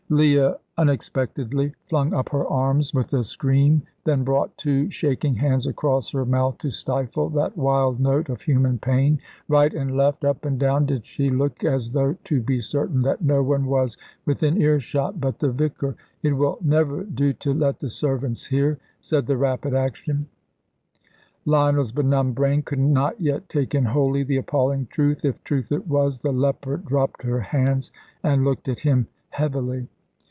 Leah unexpectedly flung up her arms with a scream, then brought two shaking hands across her mouth to stifle that wild note of human pain. Right and left, up and down, did she look, as though to be certain that no one was within earshot but the vicar. "It will never do to let the servants hear," said the rapid action. Lionel's benumbed brain could not yet take in wholly the appalling truth if truth it was. The leper dropped her hands and looked at him heavily.